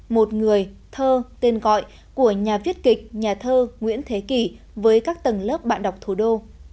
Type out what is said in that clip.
một người thơ tên gọi của nhà viết kịch nhà thơ nguyễn thế kỳ với các tầng lớp bạn đọc thủ đô